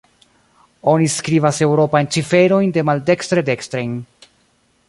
Oni skribas eŭropajn ciferojn demaldekstre-dekstren.